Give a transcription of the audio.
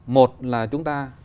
một là chúng ta